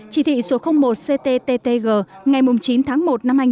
chỉ thị số một ctttg ngày chín tháng một năm hai nghìn một mươi tám